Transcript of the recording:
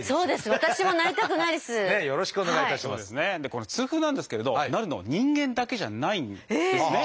この痛風なんですけれどなるのは人間だけじゃないんですね。